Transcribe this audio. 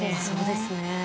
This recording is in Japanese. そうですね。